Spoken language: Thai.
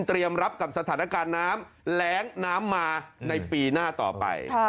รับกับสถานการณ์น้ำแรงน้ำมาในปีหน้าต่อไป